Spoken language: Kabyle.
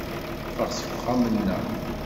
Ffeɣ seg uxxam-nneɣ.